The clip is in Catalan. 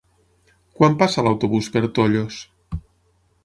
Quan passa l'autobús per Tollos?